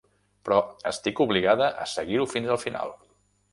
Però estic obligada a seguir-ho fins al final.